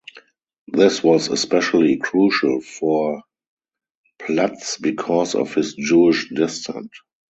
This was especially crucial for Platz because of his Jewish descent.